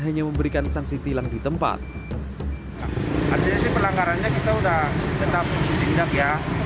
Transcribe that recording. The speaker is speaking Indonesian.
hanya memberikan sanksi pilang di tempat artinya sih perlanggarannya kita udah tetap dihindar ya